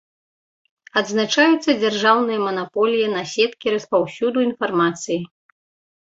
Адзначаецца дзяржаўная манаполія на сеткі распаўсюду інфармацыі.